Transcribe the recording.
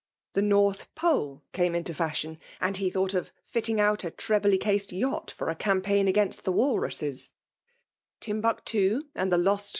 The North Bole fifW^ into fashion ;* and he thought of fitt^g.iO^ir trebly cased yacht for a campaign ag^h|s^l^ walrusses. Timbuctoo and the lost.